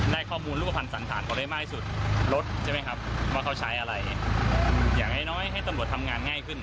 ใช่ไหมครับว่าเขาใช้อะไรอย่างให้น้อยให้ตำรวจทำงานง่ายขึ้น